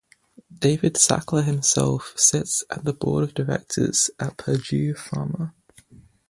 David Sackler himself sits at the board of directors at Purdue Pharma.